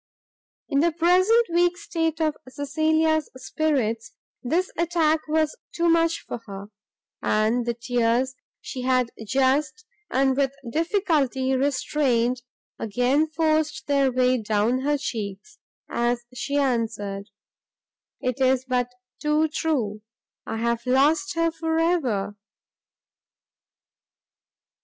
In the present weak state of Cecilia's spirits, this attack was too much for her; and the tears she had just, and with difficulty restrained, again forced their way down her cheeks, as she answered, "It is but too true, I have lost her for ever!"